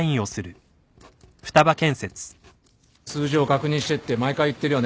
数字を確認してって毎回言ってるよね。